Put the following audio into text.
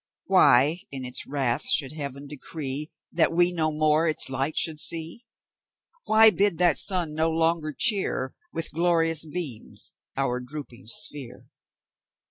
Why in its wrath should Heaven decree That we no more its light should see? Why bid that sun no longer cheer With glorious beams our drooping sphere?